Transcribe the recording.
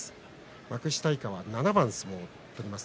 幕下以下は７番相撲取ります。